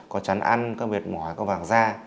có chán ăn có mệt mỏi có vàng da